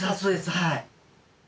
はい。